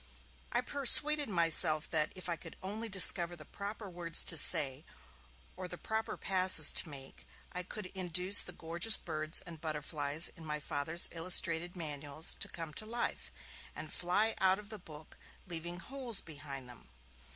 I persuaded myself that, if I could only discover the proper words to say or the proper passes to make, I could induce the gorgeous birds and butterflies in my Father's illustrated manuals to come to life, and fly out of the book, leaving holes behind them.